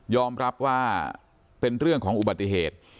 รับว่าเป็นเรื่องของอุบัติเหตุ